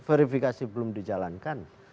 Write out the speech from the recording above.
verifikasi belum dijalankan